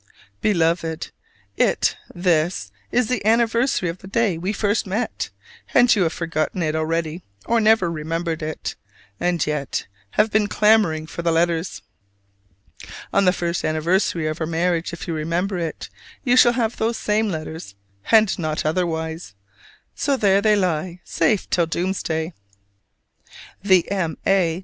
Beloved, it this is the anniversary of the day we first met; and you have forgotten it already or never remembered it: and yet have been clamoring for "the letters"! On the first anniversary of our marriage, if you remember it, you shall have those same letters: and not otherwise. So there they lie safe till doomsday! The M. A.